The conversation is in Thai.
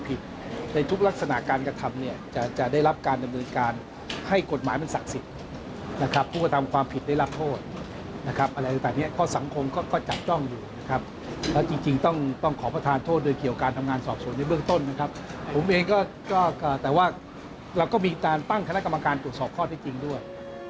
ผมเองก็แต่ว่าเราก็มีการตั้งคณะกรรมการตรวจสอบข้อที่จริงด้วย